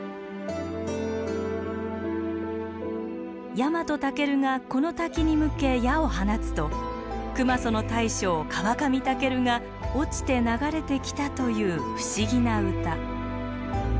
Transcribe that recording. ヤマトタケルがこの滝に向け矢を放つと熊襲の大将カワカミタケルが落ちて流れてきたという不思議な歌。